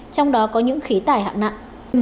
trong đó có những khí tải hạm nặng